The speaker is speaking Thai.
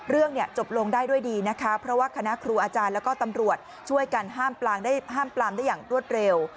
เรื่องเนี่ยจบลงได้ด้วยดีนะคะเพราะว่าคณะครูอาจารย์แล้วก็ตำรวจช่วยกันห้ามปลามได้อย่างรวดเร็ว